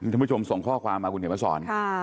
คุณผู้ชมส่งข้อความมาคุณเหนียวมาสอน